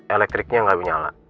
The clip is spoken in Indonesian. elektriknya gak binyala